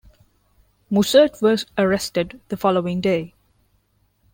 Mussert was arrested the following day.